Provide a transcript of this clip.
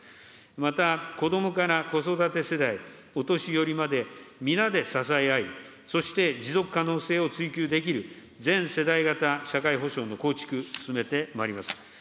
また、子どもから子育て世代、お年寄りまで、皆で支え合い、そして、持続可能性を追求できる全世代型社会保障の構築、進めてまいります。